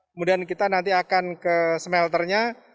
kemudian kita nanti akan ke smelternya